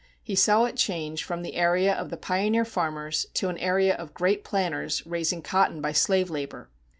He saw it change from the area of the pioneer farmers to an area of great planters raising cotton by slave labor.